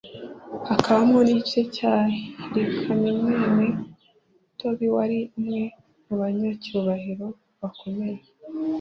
hakabamo n'igice cya hirikanimwene tobi wari umwe mu banyacyubahiro bakomeye